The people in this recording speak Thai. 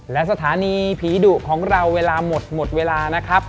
และสถานีผีดุของเราเวลาหมดหมดเวลานะครับ